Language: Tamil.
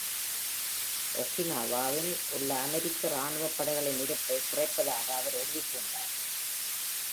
Okinawa-வில் உள்ள அமெரிக்க ராணுவப் படைகளின் இருப்பை குறைப்பதாக அவர் உறுதி பூண்டார்.